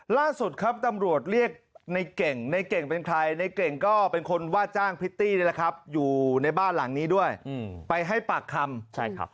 ล่าสุดครับตำรวจเรียกในเก่งในเก่งเป็นใครในเก่งก็เป็นคนว่าจ้างพิวส์ครับอยู่ในบ้านหลางนี้ด้วยไปให้ปากค่ำ